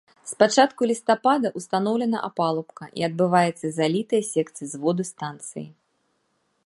З пачатку лістапада ўстаноўлена апалубка і адбываецца залітыя секцый зводу станцыі.